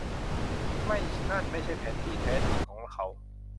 ไม่นั่นไม่ใช่แผนที่แท้จริงของเขา